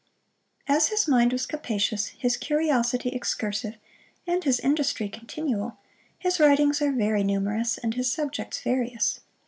As his mind was capacious, his curiosity excursive, and his industry continual, his writings are very numerous, and his subjects various.